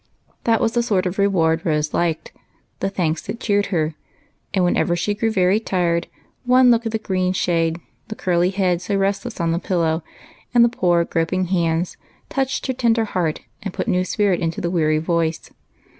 That was the sort of reward Rose liked, the thanks that cheered her; and whenever she grew very tired, one look at the green shade, the curly head so restless on the pillow, and the poor groping hands, touched her tender heart and put new spirit into the weary voice.